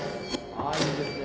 あっいいですね。